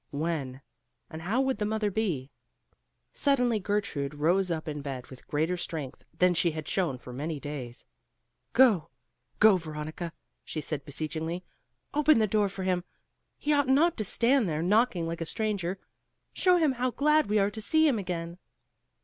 When? and how would the mother be? Suddenly Gertrude rose up in bed with greater strength than she had shown for many days. "Go! go! Veronica," she said beseechingly, "Open the door for him! He ought not to stand there knocking like a stranger. Show him how glad we are to see him again!"